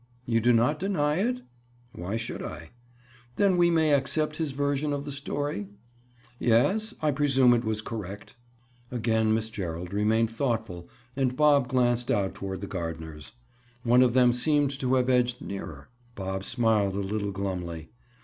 "You do not deny it?" "Why should I?" "Then we may accept his version of the story?" "Yes. I presume it was correct." Again Miss Gerald remained thoughtful and Bob glanced out toward the gardeners. One of them seemed to have edged nearer. Bob smiled a little glumly.